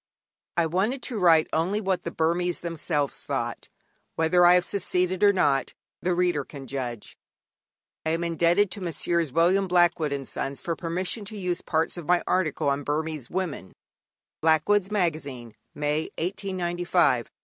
I wanted to write only what the Burmese themselves thought; whether I have succeeded or not, the reader can judge. I am indebted to Messrs. William Blackwood and Sons for permission to use parts of my article on 'Burmese Women' Blackwood's Magazine, May, 1895 in the present work.